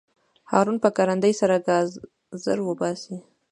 هارون په کرندي سره ګازر وباسي.